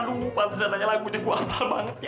lupa terus dia tanya lagu jadi gua apel banget ya